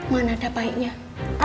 mana ada baiknya